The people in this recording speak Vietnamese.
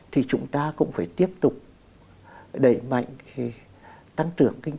thì chúng ta cũng phải tiếp tục đẩy mạnh